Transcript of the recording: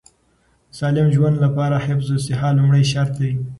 د سالم ژوند لپاره حفظ الصحه لومړی شرط دی.